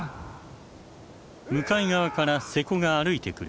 向かい側から勢子が歩いてくる。